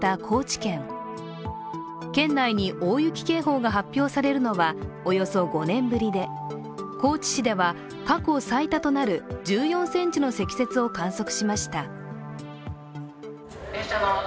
県内に大雪警報が発表されるのはおよそ５年ぶりで、高知市では過去最多となる１４ｃｍの積雪を観測しました。